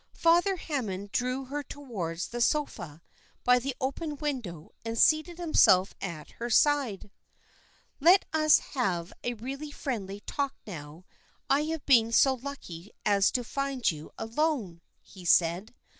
Father Hammond drew her towards the sofa by the open window, and seated himself at her side. "Let us have a real friendly talk now I have been so lucky as to find you alone," he said.